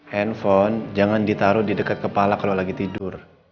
handphone jangan ditaruh di dekat kepala kalau lagi tidur